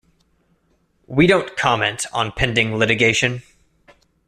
We don’t comment on pending litigation.